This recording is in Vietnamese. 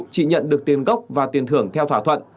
chị được nhận tiền gốc và tiền thưởng theo thỏa thuận